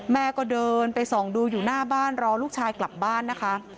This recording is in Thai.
แม่ก็เดินไปส่องดูอยู่หน้าบ้านรอลูกชายกลับบ้านนะคะ